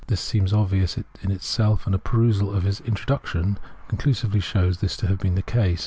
This seems obvious in itself, and a perusal of his " Intro duction " conclusively shows this to have been the case.